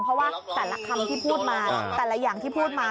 เพราะว่าแต่ละคำที่พูดมาแต่ละอย่างที่พูดมา